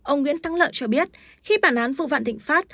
ông nguyễn thắng lợi cho biết khi bản án vụ phản định phát